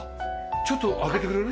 ちょっと開けてくれる？